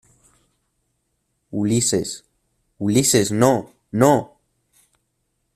Ulises. ¡ Ulises, no! ¡ no !